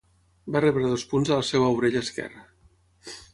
Va rebre dos punts a la seva orella esquerra.